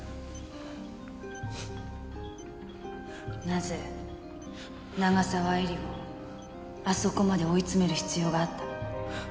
なぜ長澤絵里をあそこまで追い詰める必要があったの？